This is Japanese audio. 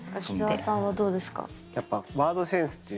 秋澤さんはどうですか？